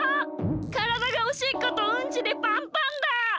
からだがおしっことうんちでパンパンだ！